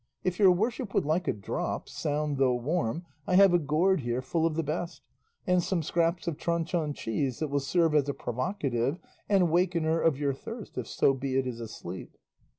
If your worship would like a drop, sound though warm, I have a gourd here full of the best, and some scraps of Tronchon cheese that will serve as a provocative and wakener of your thirst if so be it is asleep."